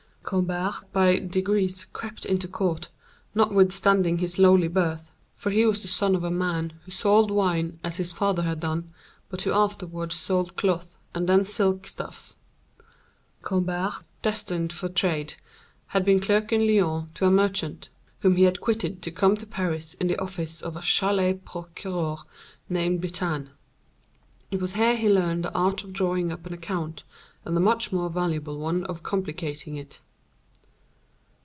Colbert by degrees crept into court, notwithstanding his lowly birth, for he was the son of a man who sold wine as his father had done, but who afterwards sold cloth, and then silk stuffs. Colbert, destined for trade, had been clerk in Lyons to a merchant, whom he had quitted to come to Paris in the office of a Chatlet procureur named Biterne. It was here he learned the art of drawing up an account, and the much more valuable one of complicating it.